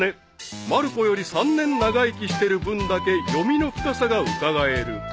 まる子より３年長生きしてる分だけ読みの深さがうかがえる］